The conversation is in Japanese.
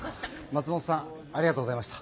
松本さんありがとうございました！